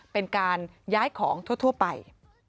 เป็นการย้ายของทั่วไป